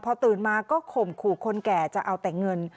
พอตื่นมาก็ข่มขู่คนแก่จะเอาแต่เงิน